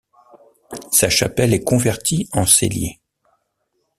Sa chapelle est convertie en cellier.